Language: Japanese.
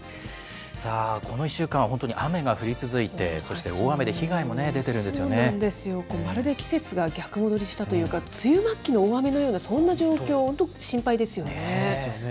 さあ、この１週間は本当に雨が降り続いて、そして大雨で被害も出ているそうなんですよ、まるで季節が逆戻りしたというか、梅雨末期のような、そんな状況、本当に心そうですよね。